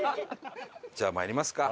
じゃあまいりますか。